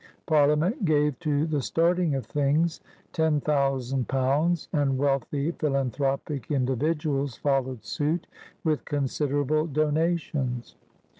Parliament gave to the starting of things ten thousand pounds, and wealthy philanthropic in dividuals followed stiit with considerable donations.